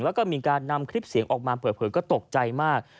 แล้วก็มีการนำคลิปเสียงออกมาเปิดเผยก็ตกใจมาก